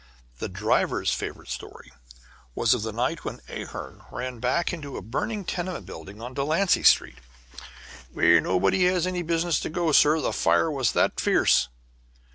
The driver's favorite story was of the night when Ahearn ran back into a burning tenement on Delancey Street, "where nobody had any business to go, sir, the fire was that fierce."